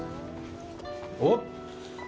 おっ！